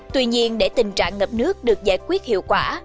tuy nhiên để tình trạng ngập nước được giải quyết hiệu quả